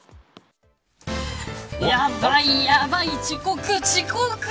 やばいやばい、遅刻遅刻。